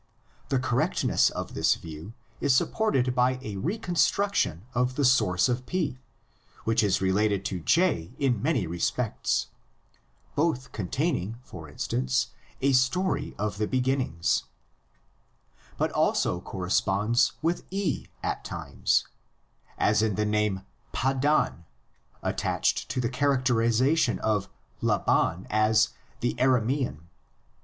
The correctness of this view is supported by a reconstruction of the source of P, which is related to J in many respects (both containing, for instance, a story of the beginnings), but also cor responds with E at times (as in the name Paddan, attached to the characterisation of Laban as "the 130 THE LEGENDS OF GENESIS. Aramsean"; cp. the Commentary, p.